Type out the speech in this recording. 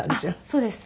そうです。